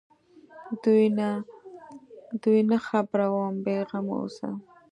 دوى نه خبروم بې غمه اوسه.